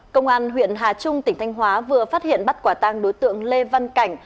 công an huyện hà trung tỉnh thanh hóa vừa phát hiện bắt quả tang đối tượng lê văn cảnh